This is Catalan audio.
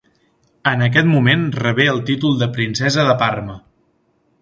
En aquest moment rebé el títol de princesa de Parma.